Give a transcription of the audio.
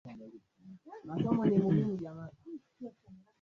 Unatawala Mungu.